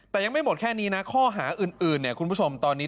แต่ยังไม่หมดแค่นี้นะข้อหาอื่นเนี่ยคุณผู้ชมตอนนี้